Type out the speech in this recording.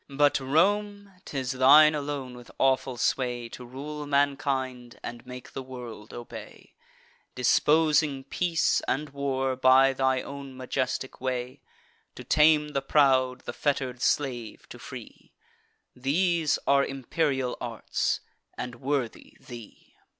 But, Rome, 'tis thine alone, with awful sway, To rule mankind, and make the world obey, Disposing peace and war by thy own majestic way; To tame the proud, the fetter'd slave to free: These are imperial arts, and worthy thee."